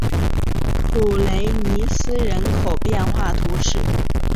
普雷尼斯人口变化图示